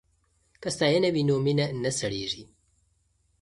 که ستاینه وي نو مینه نه سړیږي.